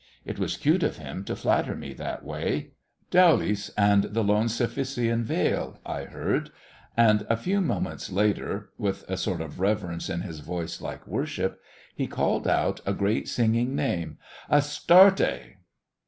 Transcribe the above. It was cute of him to flatter me that way. "Daulis and the lone Cephissian vale," I heard; and a few moments later with a sort of reverence in his voice like worship he called out a great singing name: "_Astarte!